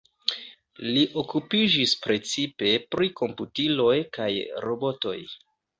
Li okupiĝis precipe pri komputiloj kaj robotoj.